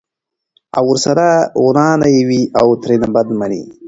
او ورسره ورانه یې وي او ترېنه بده مني!